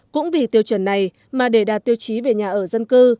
cũng vì tiêu chuẩn này mà để đạt tiêu chí về nhà ở dân cư